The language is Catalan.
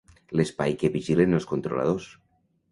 L'espai que vigilen els controladors.